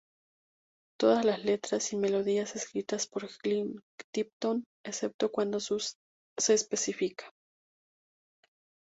Todas las letras y melodías escritas por Glenn Tipton excepto cuando se especifica.